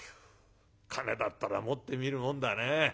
金だったら持ってみるもんだね。